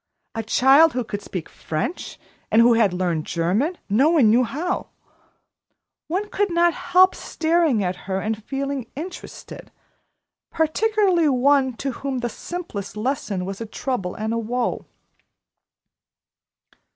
A child who could speak French, and who had learned German, no one knew how! One could not help staring at her and feeling interested, particularly one to whom the simplest lesson was a trouble and a woe.